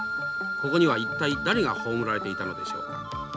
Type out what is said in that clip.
ここには一体誰が葬られていたのでしょう。